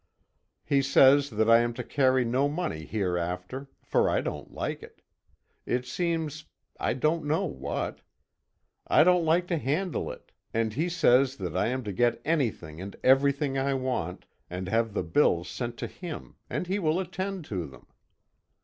He says that I am to carry no money hereafter, for I don't like it. It seems I don't know what. I don't like to handle it, and he says that I am to get anything and everything I want, and have the bills sent to him, and he will attend to them.